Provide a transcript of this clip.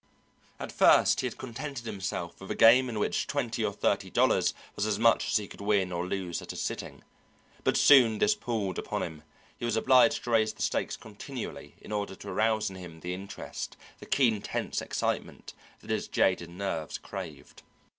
At first he had contented himself with a game in which twenty or thirty dollars was as much as he could win or lose at a sitting, but soon this palled upon him; he was obliged to raise the stakes continually in order to arouse in him the interest, the keen tense excitement, that his jaded nerves craved.